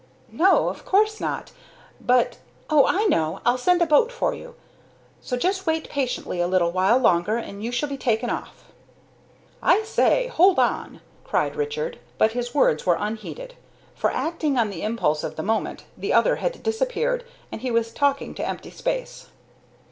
"No, of course not; but Oh, I know! I'll send a boat for you. So, just wait patiently a little while longer and you shall be taken off." "I say! hold on!" cried Richard; but his words were unheeded, for, acting on the impulse of the moment, the other had disappeared, and he was talking to empty space.